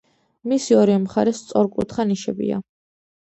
მის ორივე მხარეს სწორკუთხა ნიშებია.